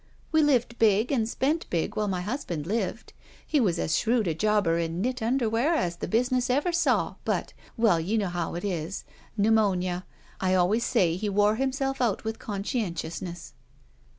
"We lived big and spent big while my husband Uved. He was as shrewd a jobber in knit underwear as the business ever saw, but — ^well, you know how it is. Pneumonia. I always say he wore himself out with conscientiousness.